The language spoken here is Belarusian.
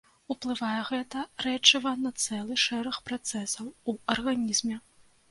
Уплывае гэта рэчыва на цэлы шэраг працэсаў у арганізме.